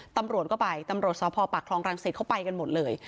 ตำรวจก็ไปตำรวจสพปากคลองรังสิตเขาไปกันหมดเลย